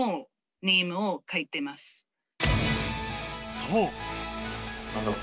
そう！